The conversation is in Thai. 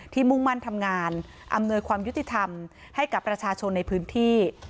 มุ่งมั่นทำงานอำนวยความยุติธรรมให้กับประชาชนในพื้นที่